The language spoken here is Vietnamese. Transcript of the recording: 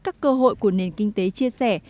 các cơ hội của nền kinh tế chia sẻ